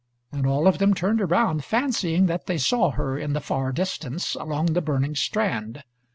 And all of them turned around, fancying that they saw her in the far distance, along the burning strand.